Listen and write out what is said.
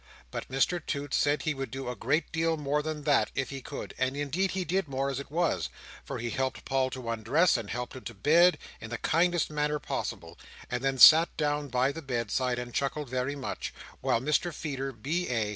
But Mr Toots said he would do a great deal more than that, if he could; and indeed he did more as it was: for he helped Paul to undress, and helped him to bed, in the kindest manner possible, and then sat down by the bedside and chuckled very much; while Mr Feeder, B.A.